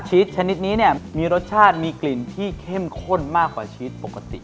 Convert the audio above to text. ชนิดนี้เนี่ยมีรสชาติมีกลิ่นที่เข้มข้นมากกว่าชีสปกติ